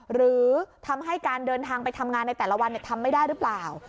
หรือทำให้การเดินทางไปทำงานในแต่ละวันทำไม่ได้หรือเปล่า